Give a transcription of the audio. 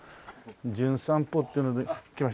『じゅん散歩』ってので来ました